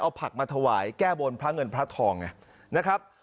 เอาผักมาถวายแก้โบร์นพระเหงินพระทองเดี๋ยวมั้ย